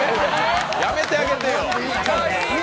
やめてあげてよ！